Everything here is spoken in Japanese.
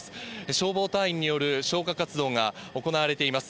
消防隊員による消火活動が行われています。